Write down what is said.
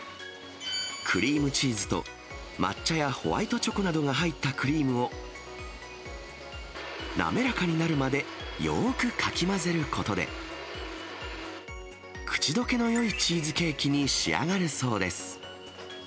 クリームチーズと抹茶やホワイトチョコなどが入ったクリームを、なめらかになるまでよくかき混ぜることで、口どけのよいチーズケーキに仕上がるそうです。